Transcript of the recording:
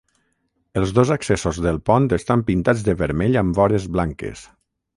Els dos accessos del pont estan pintats de vermell amb vores blanques.